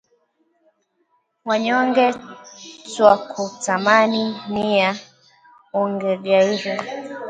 Wanyonge twakutamani, nia ungeghairi